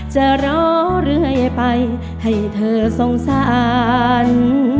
จะรอเรื่อยไปให้เธอสงสาร